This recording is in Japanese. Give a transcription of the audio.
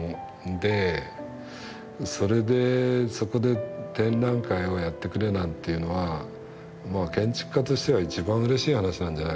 でそれでそこで展覧会をやってくれなんていうのは建築家としては一番うれしい話なんじゃないかと思うんですよね。